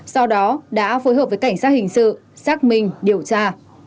sau đó đã phối hợp với cảnh sát hình sự xác minh điều tra